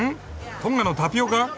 トンガのタピオカ？